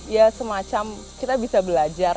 ya semacam kita bisa belajar